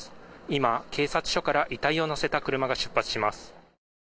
今、警察署から遺体を乗せた車が出発します。